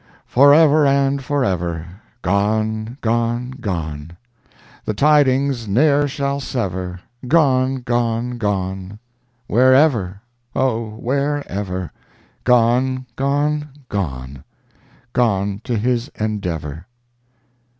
Forever and forever! Gone! gone! gone! The tidings ne'er shall sever! Gone! gone! gone! Wherever! Oh, wherever! Gone! gone! gone! Gone to his endeavor!